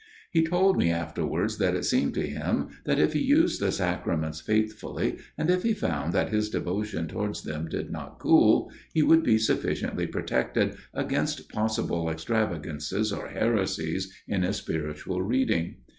He told me afterwards that it seemed to him that if he used the Sacraments faithfully, and if he found that his devotion towards them did not cool, he would be sufficiently protected against possible extravagances or heresies in his spiritual reading.